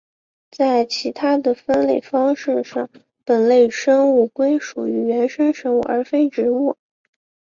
在其他的分类方式上本类生物归属于原生生物而非植物。